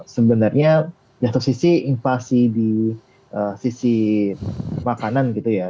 sebenarnya di satu sisi invasi di sisi makanan gitu ya